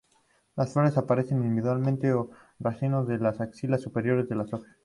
Las flores aparecen individualmente o en racimos en las axilas superiores de las hojas.